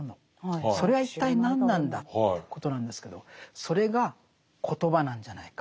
それは一体何なんだということなんですけどそれが「コトバ」なんじゃないか。